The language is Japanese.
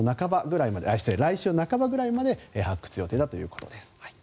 来週の半ばぐらいまでに発掘予定だということです。